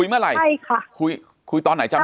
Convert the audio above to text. ้ายายามติดต่อเป็นทั้งฝ่ายหญิงด้วย